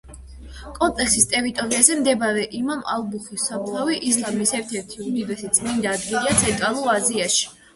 კომპლექსის ტერიტორიაზე მდებარე იმამ ალ-ბუხარის საფლავი, ისლამის ერთ-ერთი უდიდესი წმინდა ადგილია ცენტრალურ აზიაში.